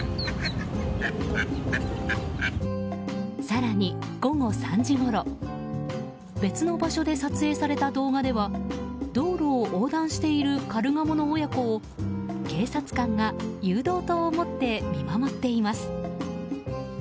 更に、午後３時ごろ別の場所で撮影された動画では道路を横断しているカルガモの親子を警察官が誘導灯を持って見守っています。